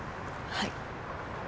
はい。